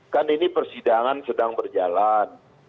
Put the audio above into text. kan ini persidangan sedang berjalan